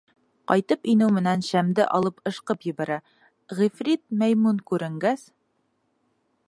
Ҡайтып инеү менән, шәмде алып ышҡып ебәрә, ғифрит Мәймүн күренгәс: